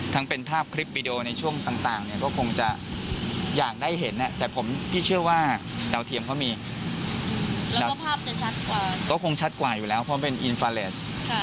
แล้วภาพจะชัดกว่าต้องคงชัดกว่าอยู่แล้วเพราะเป็นอินฟาเลส